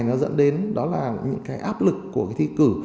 nó dẫn đến đó là những cái áp lực của cái thi cử